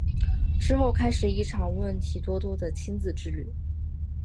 之后开始一场问题多多的亲子之旅。